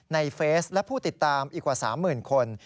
ในเฟซและผู้ติดตามอีกกว่า๓หมื่นคน